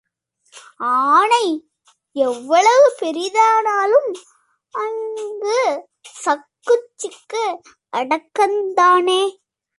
ஆனை எவ்வளவு பெரிதானாலும் அங்குசக் குச்சிக்கு அடக்கந்தானே?